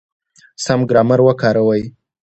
سم ګرامر وکاروئ!.